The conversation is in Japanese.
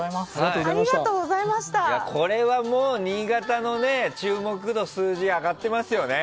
これはもう新潟の注目度数字上がっていますよね。